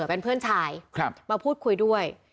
เป็นเพื่อนชายมาพูดคุยด้วย